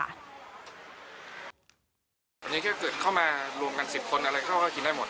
อย่างเกิดเข้ามารวมกัน๑๐คนอะไรก็เข้ากินให้หมด